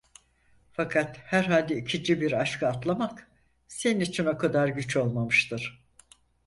Fakat herhalde ikinci bir aşka atlamak, senin için o kadar güç olmamıştır.